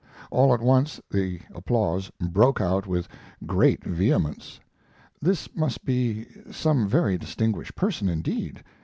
All at once the applause broke out with great vehemence. This must be some very distinguished person indeed.